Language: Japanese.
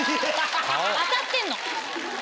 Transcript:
当たってんの。